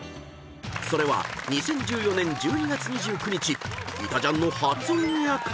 ［それは２０１４年１２月２９日『いたジャン』の初オンエアから］